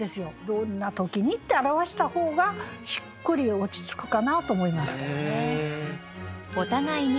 どんな時にって表した方がしっくり落ち着くかなと思いました。